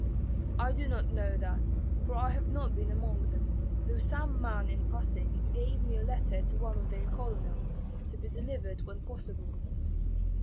"I do not know that, for I have not been among them, though some man in passing gave me a letter to one of their colonels, to be delivered when possible."